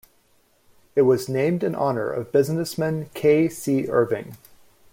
It was named in honour of businessman K. C. Irving.